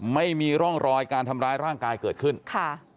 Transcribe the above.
ไม่มีร่องรอยการทำร้ายร่างกายเกิดขึ้นค่ะ